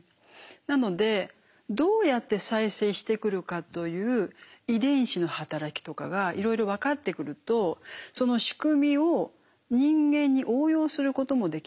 なのでどうやって再生してくるかという遺伝子の働きとかがいろいろ分かってくるとその仕組みを人間に応用することもできますよね。